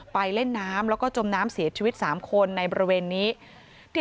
ไปเล่นน้ำแล้วก็จมน้ำเสียชีวิต๓คนในบริเวณนี้